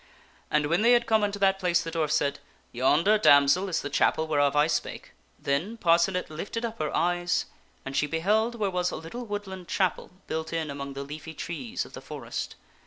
And when they had come unto that place the dwarf said, " Yonder, damsel, is the chapel whereof I spake." Then Parcenet lifted up her eyes and she beheld where was a little woodland chapel built in among the leafy trees of the forest.